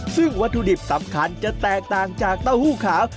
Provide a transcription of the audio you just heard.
ซึ่งวัตถุดิบสำคัญจะแตกต่างจากเต้าหู้ขาว